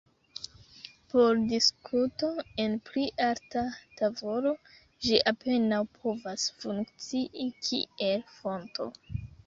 Por diskuto en pli alta tavolo, ĝi apenaŭ povas funkcii kiel fonto.